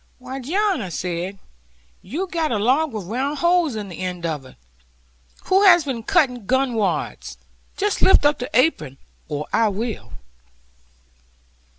'Why, John,' said I, 'you'm got a log with round holes in the end of it. Who has been cutting gun wads? Just lift your apron, or I will.'